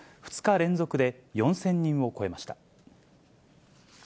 ２日連続で４０００人を超えました。